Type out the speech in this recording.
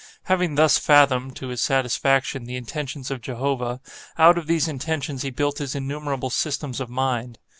Having thus fathomed, to his satisfaction, the intentions of Jehovah, out of these intentions he built his innumerable systems of mind.